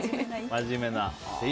真面目な。